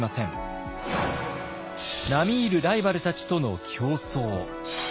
並み居るライバルたちとの競争。